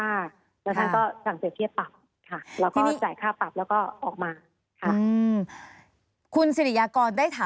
แล้วท่านก็สั่งเศรษฐ์เทียบปรับค่ะ